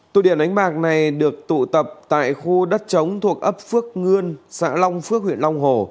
tù điểm đánh bạc này được tụ tập tại khu đất trống thuộc ấp phước ngươn xã long phước huyện long hồ